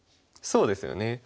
そうですよね。